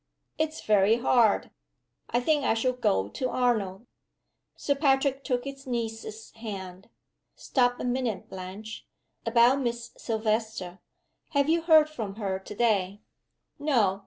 It's very hard. I think I shall go to Arnold." Sir Patrick took his niece's hand. "Stop a minute, Blanche. About Miss Silvester? Have you heard from her to day?" "No.